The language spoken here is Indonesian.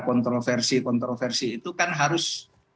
kontroversi kontroversi itu kan harus